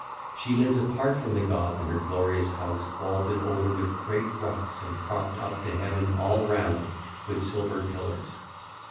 She lives apart from the gods in her glorious house vaulted over with great rocks and propped up to heaven all round with silver pillars.